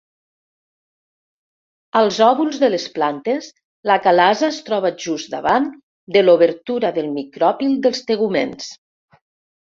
Als òvuls de les plantes, la calaza es troba just davant de l'obertura del micròpil dels teguments.